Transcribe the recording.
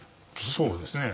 そうですね。